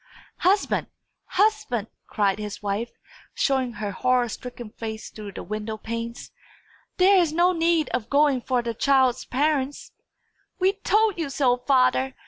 "Husband! husband!" cried his wife, showing her horror stricken face through the window panes. "There is no need of going for the child's parents!" "We told you so, father!"